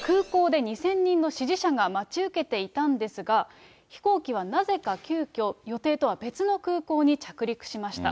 空港で２０００人の支持者が待ち受けていたんですが、飛行機はなぜか、急きょ、予定とは別の空港に着陸しました。